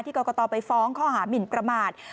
ที่กรกตรไปฟ้องเขาอาหารหมินประมาท